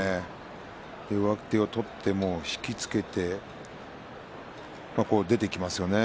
上手を取って、もう引き付けて出ていきますよね。